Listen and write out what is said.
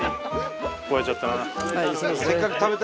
聞こえちゃったな。